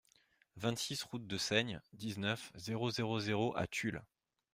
vingt-six route de Seigne, dix-neuf, zéro zéro zéro à Tulle